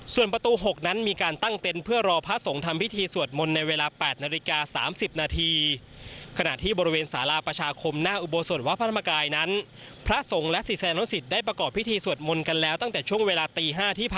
ส่วนประตู๖นั้นมีการตั้งเต็นต์เพื่อรอพระสงฆ์ทำพิธีสวดมนต์ในเวลา๘นาฬิกา๓๐นาที